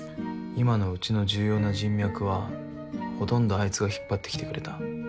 今のうちの重要な人脈はほとんどあいつが引っ張ってきてくれた。